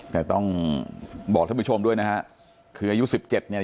แต่ต้องบอกท่านผู้ชมด้วยนะฮะคืออายุสิบเจ็ดเนี่ย